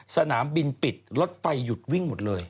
สนามบินปิดรถไฟหยุดวิ่งหมดเลย